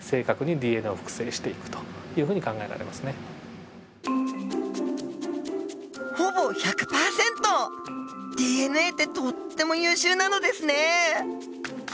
ＤＮＡってとっても優秀なのですね！